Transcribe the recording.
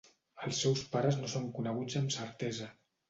Els seus pares no són coneguts amb certesa.